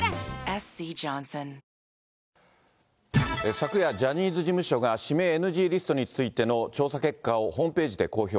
昨夜、ジャニーズ事務所が指名ＮＧリストについての調査結果をホームページで公表。